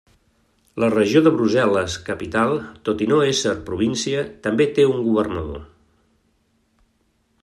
La regió de Brussel·les-Capital, tot i no ésser província, també té un governador.